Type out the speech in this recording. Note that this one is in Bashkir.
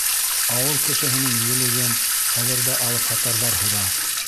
Ауыл кешеһенең елеген хәҙер ҙә алыпһатарҙар һура.